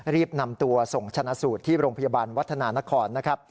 รีบนำตัวส่งชนะสูตรที่โรงพยาบาลวัฒนานครนะครับ